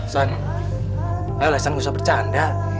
san ayo san gak usah bercanda